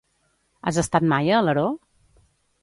Has estat mai a Alaró?